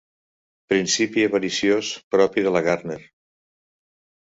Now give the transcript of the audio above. Principi avariciós propi de la Gardner.